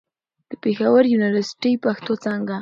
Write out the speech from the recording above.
د پېښور يونيورسټۍ، پښتو څانګه